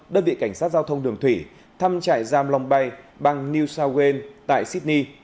đơn vị cảnh sát giao thông đường thủy thăm trại giam long bay bang new south wales tại sydney